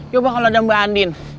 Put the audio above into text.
coba kalau ada mbak andin